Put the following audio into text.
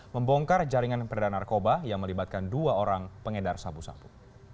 membongkar jaringan perdana narkoba yang melibatkan dua orang pengedar sabu sabu